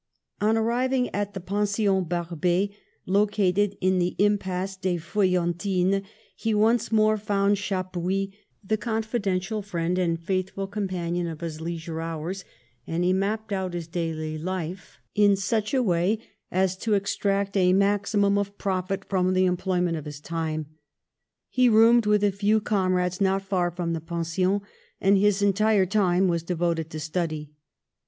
On arriving at the Pension Barbet, situated in the Impasse des Feuillantines, he once more found Chappuis, the confidential friend and faithful companion of his leisure hours, and he mapped out his daily life in such a way as to 16 A LABORIOUS YOUTH 17 extract a maximum of profit from the employ ment of his time. He roomed with a few com rades not far from the Pension, and his entire time was devoted to study.